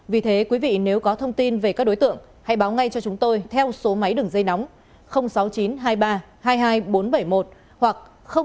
vì thế quý vị nếu có thông tin về các đối tượng hãy báo ngay cho chúng tôi theo số máy đường dây nóng sáu mươi chín hai mươi ba hai mươi hai bốn trăm bảy mươi một hoặc sáu mươi chín hai mươi ba hai mươi một sáu trăm sáu mươi bảy